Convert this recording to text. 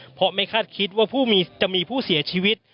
เพราะไม่คาดคิดว่าจะมีผู้เสียชีวิต